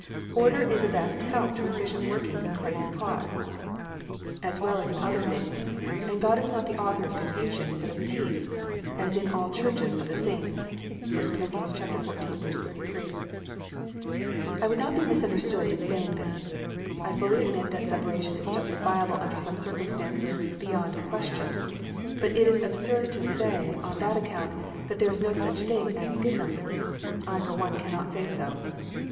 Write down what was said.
Order is a vast help to efficient working in Christ s cause as well THE CHURCH. 23 7 as in other things, and " God is not the Author of confusion, but of peace, as in all Churches of the saints." (1 Cor. xiv. 33.) I would not be misunderstood in saying this. I fully admit that separation is justifiable under some circumstances, beyond a question. But it is absurd to say on that account that there is no such thing as schism. I for one cannot say so.